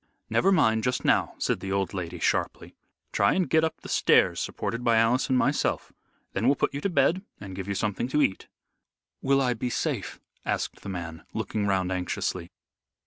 "Never mind just now," said the old lady, sharply. "Try and get up the stairs supported by Alice and myself. Then we'll put you to bed and give you something to eat." "Will I be safe?" asked the man, looking round anxiously.